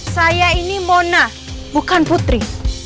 saya ini mona bukan putri